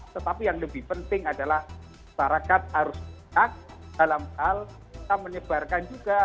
tetapi yang lebih penting adalah masyarakat harus dalam hal kita menyebarkan juga